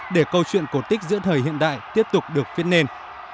để câu chuyện cổ tích giữa thời hiện đại tiếp tục được viết nên